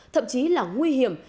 thậm chí là nguy hiểm